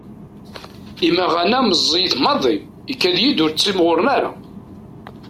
Imaɣan-a meẓẓiyit maḍi, ikad-yi-d ur ttimɣuren ara.